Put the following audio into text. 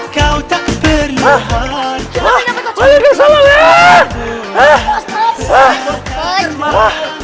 ya terima kasih allah